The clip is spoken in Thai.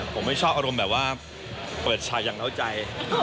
ผมไม่ชอบอารมณ์แบบว่าเปิดฉากอย่างน้อยใจ